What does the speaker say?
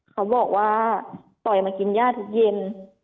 เขาบอกว่าปล่อยมากินย่าทุกเย็น